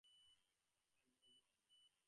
তাহার পরে রুদ্ধকণ্ঠে কহিলেন, বিনয়, যাও, তুমি যাও!